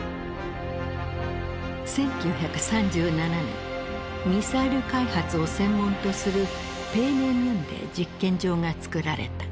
１９３７年ミサイル開発を専門とするペーネミュンデ実験場がつくられた。